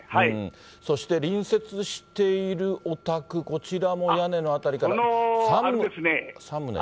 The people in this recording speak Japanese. そして隣接しているお宅、こちらも屋根の辺りから、３棟ですか。